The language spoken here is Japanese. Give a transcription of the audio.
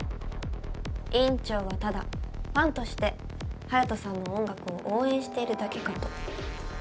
委員長はただファンとして隼人さんの音楽を応援しているだけかと。